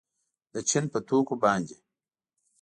د چین په توکو باندې